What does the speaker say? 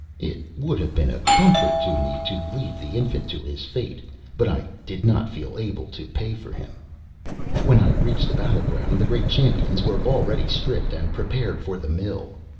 It would have been a comfort to me to leave the infant to his fate, but I did not feel able to pay for him. When I reached the battle ground, the great champions were already stripped and prepared for the "mill."